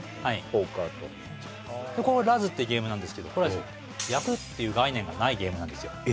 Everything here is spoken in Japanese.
ポーカーとはいこれはラズっていうゲームなんですけど役っていう概念がないゲームなんですよ